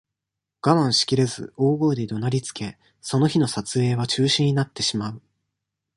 我慢しきれず、大声で怒鳴りつけ、その日の撮影は中止になってしまう。